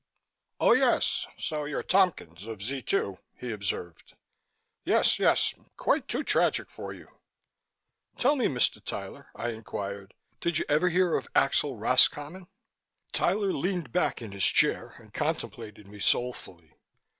"Oh, yes, so you're Tompkins of Z 2," he observed. "Yes, yes. Quite too tragic for you." "Tell me, Mr. Tyler," I inquired, "did you ever hear of Axel Roscommon?" Tyler leaned back in his chair and contemplated me soulfully.